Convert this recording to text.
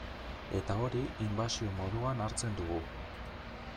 Eta hori inbasio moduan hartzen dugu.